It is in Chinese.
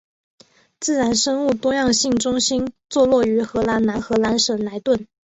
自然生物多样性中心座落于荷兰南荷兰省莱顿。